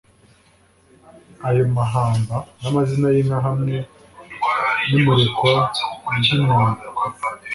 Ayo mahamba n'amazina y'inka hamwe n'imurikwa ry'inyambo